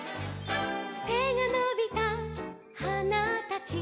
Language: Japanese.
「せがのびたはなたち」